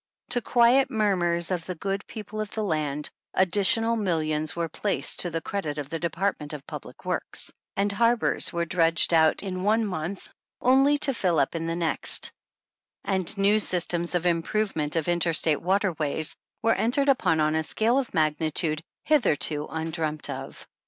To quiet the murmurs of the good people of the land, additional millions were placed to the credit of the Department of Public Works, and harbors were dredged out in one month only to fill up in the next, and new systems of improvement of interstate water ways were entered upon on a scale of magnitude hitherto undreamt of.